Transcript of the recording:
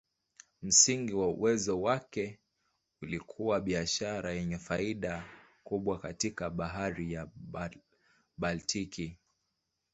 Msingi wa uwezo wake ulikuwa biashara yenye faida kubwa katika Bahari ya Baltiki.